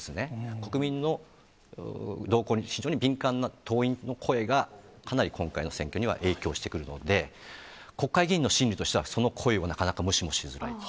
国民の動向に非常に敏感な党員の声が、かなり今回の選挙には影響してくるので、国会議員の心理としては、その声をなかなか無視もしづらい。